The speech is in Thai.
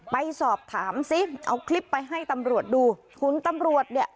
ไปสอบถามซิเอาคลิปไปให้ตำรวจดูคุณตำรวจเนี่ย